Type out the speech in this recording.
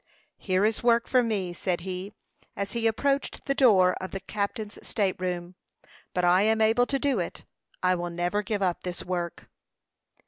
"Here is work for me," said he, as he approached the door of the captain's state room. "But I am able to do it. I will never give up this work."